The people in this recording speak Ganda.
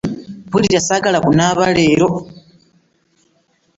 Mpulira saagala kunaaba leero.